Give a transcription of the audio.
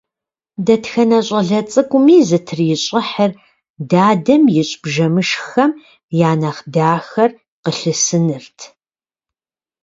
Дэтхэнэ щӀалэ цӀыкӀуми зытрищӀыхьыр дадэм ищӀ бжэмышххэм я нэхъ дахэр къылъысынырт.